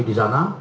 kami di sana